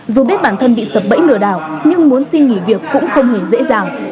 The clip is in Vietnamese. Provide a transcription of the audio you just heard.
dù biết bản thân bị sập bẫy lừa đảo nhưng muốn xin nghỉ việc cũng không hề dễ dàng